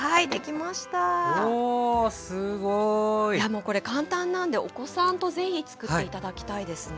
もうこれ簡単なんでお子さんと是非つくって頂きたいですね。